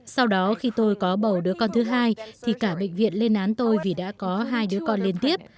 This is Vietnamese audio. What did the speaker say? sau đó khi tôi có bầu đứa con thứ hai thì cả bệnh viện lên án tôi vì đã có hai đứa con liên tiếp